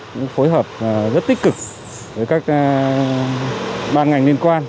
cũng phối hợp rất tích cực với các ban ngành liên quan